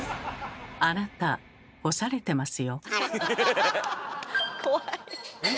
あなた干されてますよ。